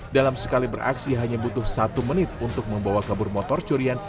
dalam sekali beraksi hanya butuh satu menit untuk membawa kabur motor curian